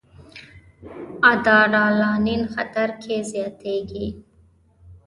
ادرانالین خطر کې زیاتېږي.